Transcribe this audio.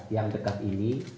yang dekat ini